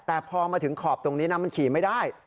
แต่พอมาถึงขอบตรงนี้นะมันขี่ไม่ได้